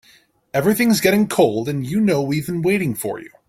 Everything's getting cold and you know we've been waiting for you.